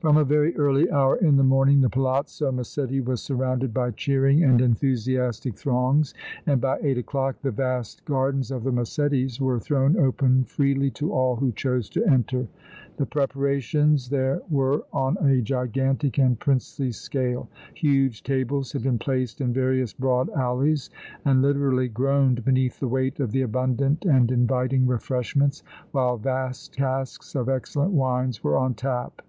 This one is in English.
From a very early hour in the morning the Palazzo Massetti was surrounded by cheering and enthusiastic throngs, and by eight o'clock the vast gardens of the Massettis' were thrown open freely to all who chose to enter. The preparations there were on a gigantic and princely scale. Huge tables had been placed in various broad alleys and literally groaned beneath the weight of the abundant and inviting refreshments, while vast casks of excellent wines were on tap.